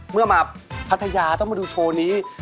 เมื่อมาพัทยาต้องมาดูโชว์นี้